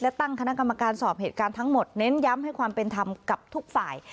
และตั้งคณะกรรมการสอบเหตุการณ์ทั้งหมดเน้นย้ำให้ความเป็นธรรมกับทุกฝ่าย